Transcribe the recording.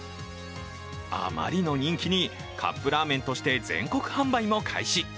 あまりの人気にカップラーメンとして全国販売も開始。